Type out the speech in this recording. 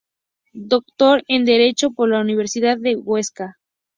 Doctor en Derecho por la Universidad de Huesca.